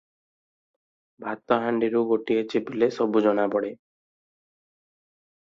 ଭାତହାଣ୍ତିରୁ ଗୋଟିଏ ଚିପିଲେ ସବୁ ଜଣାପଡ଼େ ।